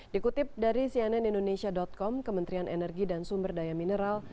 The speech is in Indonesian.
dikutip dari cnn indonesia com kementerian energi dan sumber daya mineral